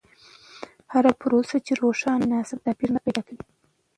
هره پروسه چې روښانه وي، ناسم تعبیر نه پیدا کوي.